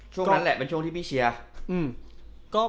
ช่วงนั้นแหละเป็นช่วงที่พี่เชียร์